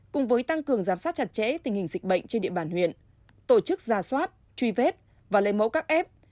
cùng với tăng cường giám sát chặt chẽ tình hình dịch bệnh trên địa bàn huyện tổ chức ra soát truy vết và lấy mẫu các f